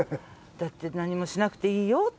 だって「何もしなくていいよ」って。